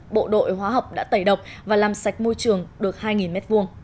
bộ đội hóa học đã tẩy độc và làm sạch môi trường được hai m hai